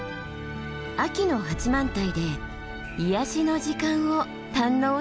秋の八幡平で癒やしの時間を堪能しました。